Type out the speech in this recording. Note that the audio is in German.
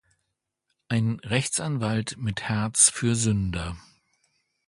Ein Rechtsanwalt mit Herz für Sünder.